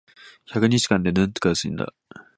百日間で八十万人が死んだ。